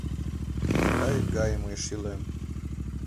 Кайык гае мый шӱлем.